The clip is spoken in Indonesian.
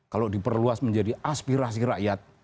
kalau diperluas menjadi aspirasi rakyat